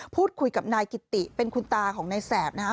พูดคุยกับนายกิติเป็นคุณตาของนายแสบนะฮะ